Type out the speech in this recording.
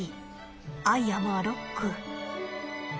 アイアムアロック。